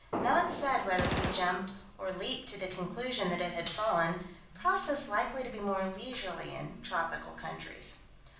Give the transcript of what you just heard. Not said whether he jumped or leaped to the conclusion that it had fallen: process likely to be more leisurely in tropical countries.